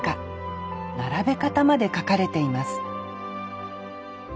並べ方まで書かれています